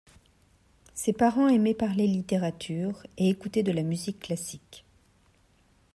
Ses parents aimaient parler littérature et écoutaient de la musique classique.